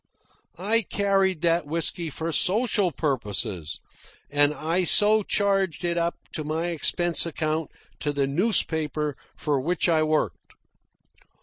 I carried that whisky for social purposes, and I so charged it up in my expense account to the newspaper for which I worked.